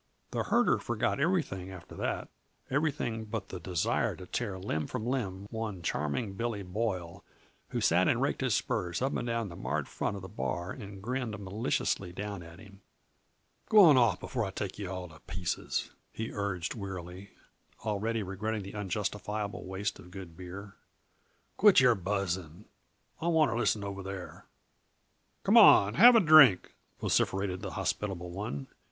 The herder forgot everything after that everything but the desire to tear limb from limb one Charming Billy Boyle, who sat and raked his spurs up and down the marred front of the bar and grinned maliciously down at him. "Go awn off, before I take yuh all to pieces," he urged wearily, already regretting the unjustifiable waste of good beer. "Quit your buzzing; I wanta listen over there." "Come on 'n' have a drink!" vociferated the hospitable one.